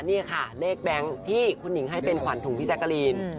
นี่ค่ะเลขแบงค์ที่คุณหญิงให้เป็นขวัญถุงพี่แจ๊กกะลีน